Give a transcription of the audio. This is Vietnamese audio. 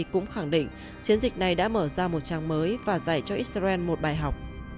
cũng khẳng định chiến dịch này đã mở ra một trang mới và dạy cho israel một bài học